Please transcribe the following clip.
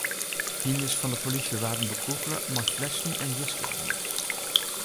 Hynders fan de polysje waarden bekûgele mei flessen en jiske-amers.